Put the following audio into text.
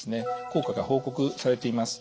効果が報告されています。